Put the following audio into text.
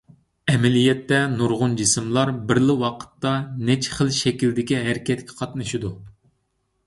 ئەمەلىيەتتە، نۇرغۇن جىسىملار بىرلا ۋاقىتتا نەچچە خىل شەكىلدىكى ھەرىكەتكە قاتنىشىدۇ.